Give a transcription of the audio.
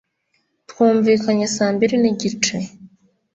twumvikanye saa mbiri n'igice